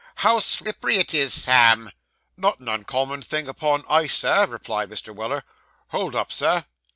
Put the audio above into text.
'How slippery it is, Sam!' 'Not an uncommon thing upon ice, Sir,' replied Mr. Weller. 'Hold up, Sir!